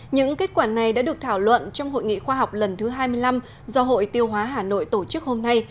những kết quả này đã được thảo luận trong hội nghị khoa học lần thứ hai mươi năm do hội tiêu hóa hà nội tổ chức hôm nay